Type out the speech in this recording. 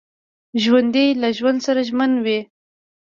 ژوندي له ژوند سره ژمن وي